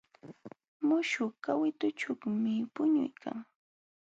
Muśhuq kawitućhuumi puñuykan.